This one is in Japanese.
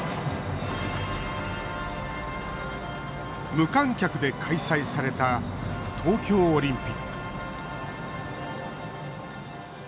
無観客で開催された東京オリンピック。